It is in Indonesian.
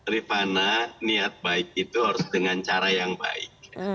rifana niat baik itu harus dengan cara yang baik